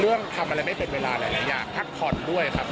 ทำอะไรไม่เป็นเวลาหลายอย่างพักผ่อนด้วยครับ